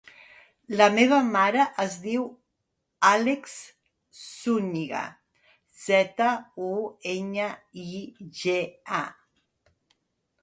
La meva mare es diu Àlex Zuñiga: zeta, u, enya, i, ge, a.